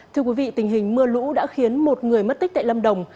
thưa quý vị tình hình mưa lũ đã khiến một người mất tích tại lâm đồng